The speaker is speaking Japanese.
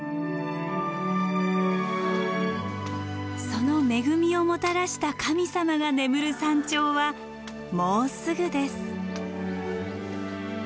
その恵みをもたらした神様が眠る山頂はもうすぐです。